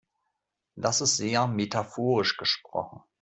Das ist sehr metaphorisch gesprochen.